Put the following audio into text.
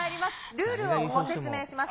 ルールをご説明します。